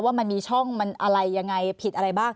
ว่ามันมีช่องมันอะไรยังไงผิดอะไรบ้าง